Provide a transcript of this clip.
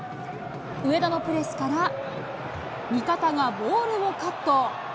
上田のプレスから、味方がボールをカット。